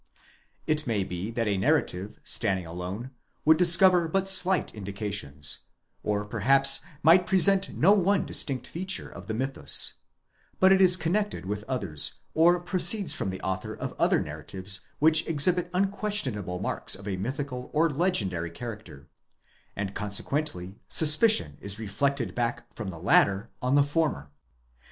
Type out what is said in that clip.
It may be that a narrative, standing alone, would discover but slight indi cations, or perhaps, might present no one distinct feature of the mythus ; but it is connected with others, or proceeds from the author of other narratives which exhibit unquestionable marks of a mythical or legendary character ; and consequently suspicion is reflected back from the latter, on the former.